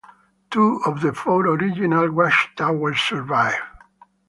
Two of the four original watchtowers survive.